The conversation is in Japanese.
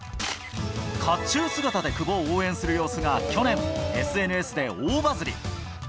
かっちゅう姿で久保を応援する様子が、去年、ＳＮＳで大バズり。